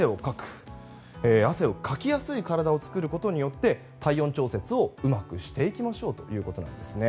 汗をかきやすい体を作ることによって体温調節をうまくしていきましょうということです。